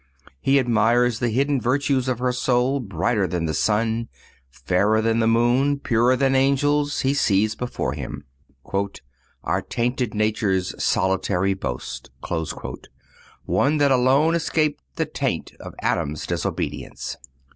He admires the hidden virtues of her soul, brighter than the sun, fairer than the moon, purer than angels, he sees before him, "Our tainted nature's solitary boast," one that alone escaped the taint of Adam's disobedience.